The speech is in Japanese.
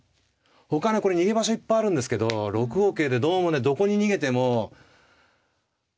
ほかにこれ逃げ場所いっぱいあるんですけど６五桂でどうもねどこに逃げても角と竜の利きがすばらしくて。